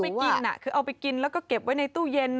น่าจะเอาไปกินอ่ะคือเอาไปกินแล้วก็เก็บไว้ในตู้เย็น